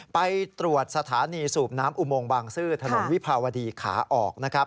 ไปตรวจสถานีสูบน้ำอุโมงบางซื่อถนนวิภาวดีขาออกนะครับ